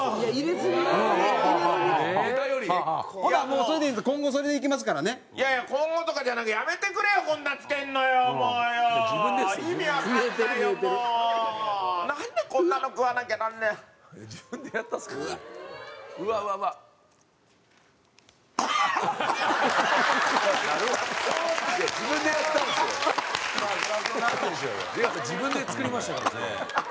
出川さん自分で作りましたからね。